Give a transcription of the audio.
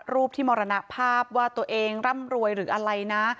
รูปที่มรณภาพว่าตัวเองร่ำรวยหรืออะไรนะ